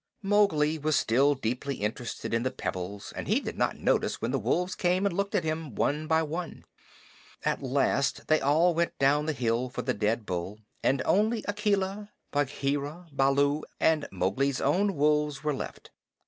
Mowgli was still deeply interested in the pebbles, and he did not notice when the wolves came and looked at him one by one. At last they all went down the hill for the dead bull, and only Akela, Bagheera, Baloo, and Mowgli's own wolves were left.